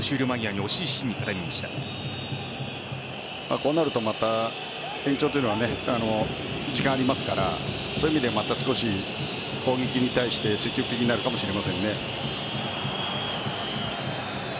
こうなるとまた延長というのは時間がありますからそういう意味では少し攻撃に対して積極的になるかもしれませんね。